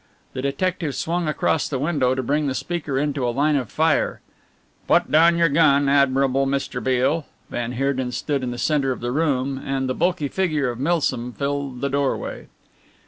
The detective swung across the window to bring the speaker into a line of fire. "Put down your gun, admirable Mr. Beale." Van Heerden stood in the centre of the room and the bulky figure of Milsom filled the doorway.